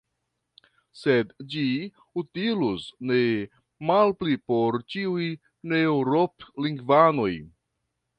Sed ĝi utilus ne malpli por ĉiuj neeŭrop-lingvanoj.